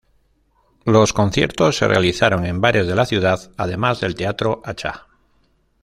Los conciertos se realizaron en bares de la ciudad además del Teatro Achá.